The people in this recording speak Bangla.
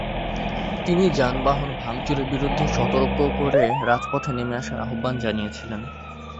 তিনি যানবাহন ভাঙচুরের বিরুদ্ধে সতর্ক করে রাজপথে নেমে আসার আহ্বান জানিয়েছিলেন।